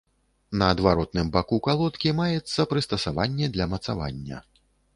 На адваротным боку калодкі маецца прыстасаванне для мацавання.